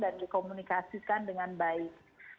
dan dikomunikasikan dengan baik